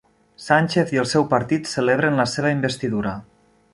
Sánchez i el seu partit celebren la seva investidura